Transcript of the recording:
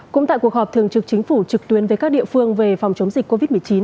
cũng tại cuộc họp thường trực chính phủ trực tuyến với các địa phương về phòng chống dịch covid một mươi chín